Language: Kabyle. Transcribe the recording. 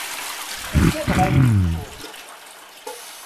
Uggadeɣ ad iyi-tettuḍ.